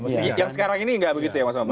yang sekarang ini nggak begitu ya mas mbak pak